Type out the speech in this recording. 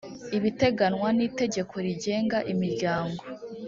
ibiteganwa n itegeko rigenga imiryango